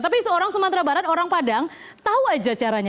tapi seorang sumatera barat orang padang tahu aja caranya